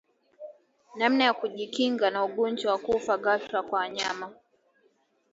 Namna ya kujikinga na ugonjwa wa kufa ghfla kwa wanyama